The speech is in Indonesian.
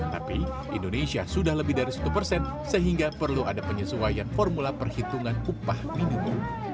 tapi indonesia sudah lebih dari satu persen sehingga perlu ada penyesuaian formula perhitungan upah minimum